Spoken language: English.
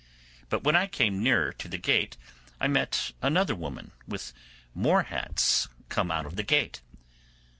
But when I came nearer to the gate I met another woman with more hats come out of the gate.